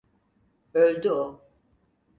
Öldü o.